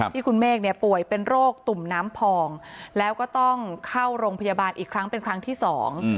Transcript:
ที่คุณเมฆเนี่ยป่วยเป็นโรคตุ่มน้ำพองแล้วก็ต้องเข้าโรงพยาบาลอีกครั้งเป็นครั้งที่สอง